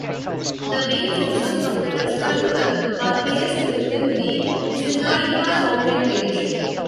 The main sources of the Treska river are placed within the Celoica mountain range.